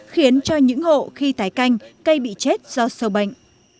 khiến cho những hộ khi tái canh cây bị chết do sâu bệnh